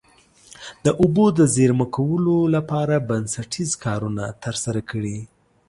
د اوبو د زیرمه کولو لپاره بنسټیز کارونه ترسره کړي.